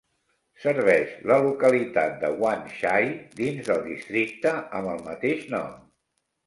Serveix la localitat de Wan Chai dins del districte amb el mateix nom.